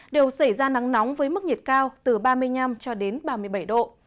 đều xảy ra nắng nóng với mức nhiệt cao từ ba mươi năm cho đến ba mươi bảy độ